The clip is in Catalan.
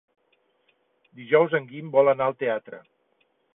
Dijous en Guim vol anar al teatre.